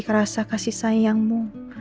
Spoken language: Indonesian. kerasa kasih sayangmu